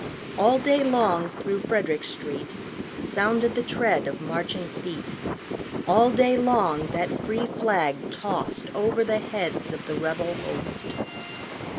All day long through Frederick street Sounded the tread of marching feet; All day long that free flag tost Over the heads of the rebel host.